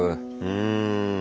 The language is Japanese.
うん。